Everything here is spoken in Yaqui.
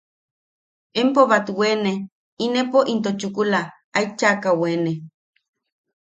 Empo bat weene inepo into chukula et chaʼaka weene.